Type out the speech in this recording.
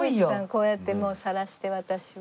こうやってさらして私を。